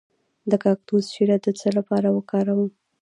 د کاکتوس شیره د څه لپاره وکاروم؟